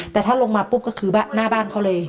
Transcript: แต่ถ้าลงมาปุ๊บก็คือหน้าบ้านเขาเลย